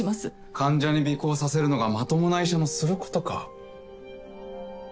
患者に尾行させるのがまともな医者のすることか？